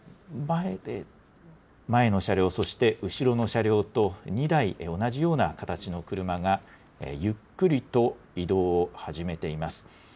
前の車両、そして後ろの車両と２台同じような形の車がゆっくりと移動を始めています。